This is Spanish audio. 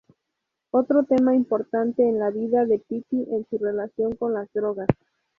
Otro tema importante en la vida de Pity es su relación con las drogas.